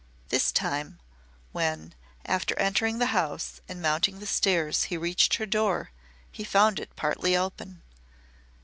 This time when, after entering the house and mounting the stairs he reached her door, he found it partly open.